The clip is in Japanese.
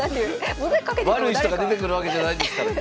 悪い人が出てくるわけじゃないですからね。